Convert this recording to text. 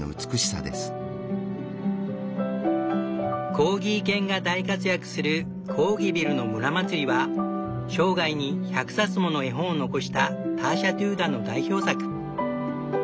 コーギー犬が大活躍する「コーギビルの村まつり」は生涯に１００冊もの絵本を残したターシャ・テューダーの代表作。